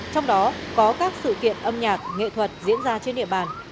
trong đó có các sự kiện âm nhạc nghệ thuật diễn ra trên địa bàn